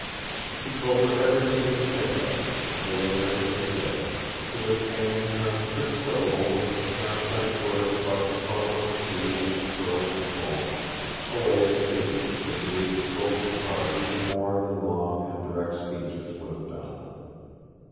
He told her everything he could think of, military and civil, to which Anne returned pretty syllables and parenthetic words about the colour of the sea and the curl of the foam a way of speaking that moved the soldier's heart even more than long and direct speeches would have done.